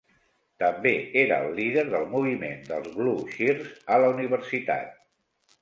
També era el líder del moviment dels "Blueshirts" a la universitat.